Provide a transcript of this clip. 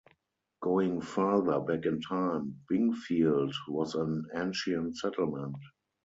Going further back in time, Bingfield was an ancient settlement.